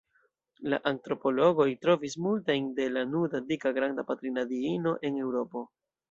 La antropologoj trovis multajn de la nuda dika Granda Patrina Diino en Eŭropo.